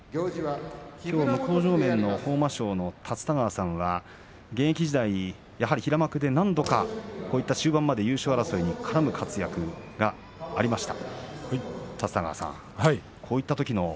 きょう向正面の豊真将の立田川さんは現役時代やはり平幕で何度かこういった終盤まで優勝争いに絡む活躍がありました。